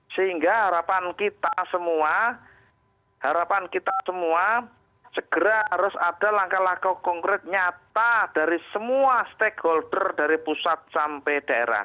sehingga harapan kita semua harapan kita semua segera harus ada langkah langkah konkret nyata dari semua stakeholder dari pusat sampai daerah